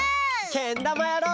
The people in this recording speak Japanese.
けんだまやろう！